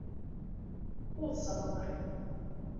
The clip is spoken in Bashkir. Ҡул сабалар!